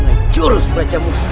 dengan jurus brajamu sendiri